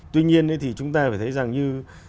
tuy nhiên chúng ta phải thấy rằng như